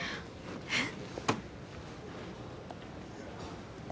えっ？